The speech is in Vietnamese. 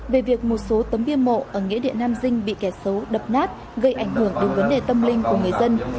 về việc một số tấm biên bộ ở nghĩa địa nam dinh bị kẻ xấu đập nát gây ảnh hưởng đến vấn đề tâm linh của người dân